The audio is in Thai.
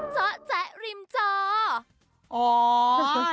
จ๊ะจ๊ะริมเจาะ